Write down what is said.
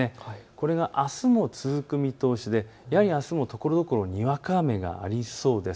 これがあすも続く見通しでややあすもところどころ、にわか雨がありそうです。